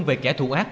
về kẻ thù ác